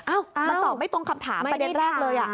มันตอบไม่ตรงคำถามประเด็นแรกเลย